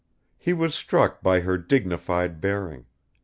He was struck by her dignified bearing.